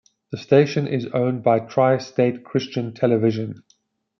The station is owned by Tri-State Christian Television.